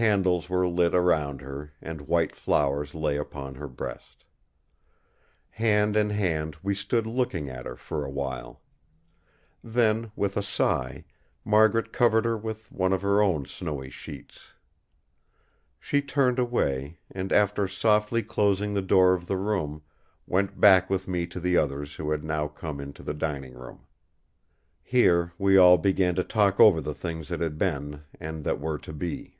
Candles were lit around her, and white flowers lay upon her breast. Hand in hand we stood looking at her for a while. Then with a sigh, Margaret covered her with one of her own snowy sheets. She turned away; and after softly closing the door of the room, went back with me to the others who had now come into the dining room. Here we all began to talk over the things that had been, and that were to be.